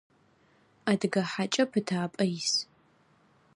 Адыгэ хьакӏэ пытапӏэ ис.